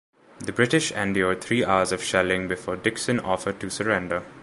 The British endured three hours of shelling before Dickson offered to surrender.